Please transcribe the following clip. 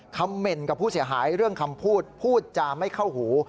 เม่นกับผู้เสียหายเรื่องคำพูดพูดจาไม่เข้าหู